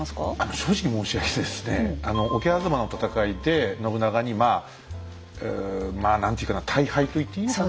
正直申し上げてですね桶狭間の戦いで信長にまあまあ何ていうかな大敗と言っていいのかな。